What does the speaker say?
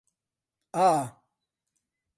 ئا.